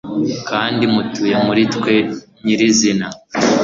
kandi mutuye muri twe nyirizina